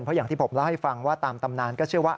เพราะอย่างที่ผมเล่าให้ฟังว่าตามตำนานก็เชื่อว่า